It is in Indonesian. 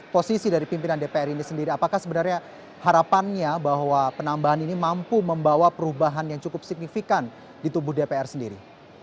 posisi dari pimpinan dpr ini sendiri apakah sebenarnya harapannya bahwa penambahan ini mampu membawa perubahan yang cukup signifikan di tubuh dpr sendiri